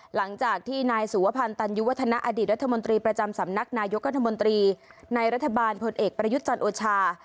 หลังจากที่นายสุวพันธ์ตันยุวัฒนาอดีตรัฐมนตรีประจำสำนักนายกรัฐมนตรีในรัฐบาลพลเอกประยุทธ์จันทร์โอชา